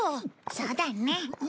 そうだね。